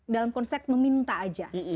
dalam konsep meminta aja